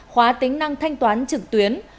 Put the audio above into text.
khóa tính năng thanh toán trực tuyến